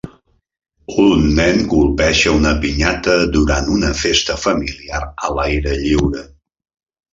Un nen colpeja una pinyata durant una festa familiar a l'aire lliure.